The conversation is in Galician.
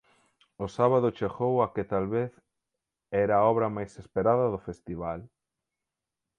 O sábado chegou a que talvez era a obra máis esperada do festival.